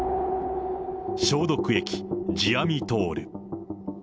消毒液、ヂアミトール。